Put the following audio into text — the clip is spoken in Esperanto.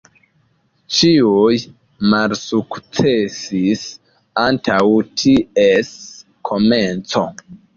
Ĉiuj malsukcesis antaŭ ties komenco.